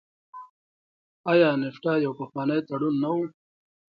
آیا نفټا یو پخوانی تړون نه و؟